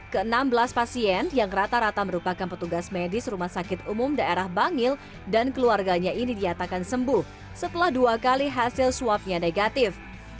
ke enam belas pasien yang rata rata merupakan petugas medis rumah sakit umum daerah bangil dan keluarganya ini diatakan sembuh setelah dua kali hasil swabnya negatif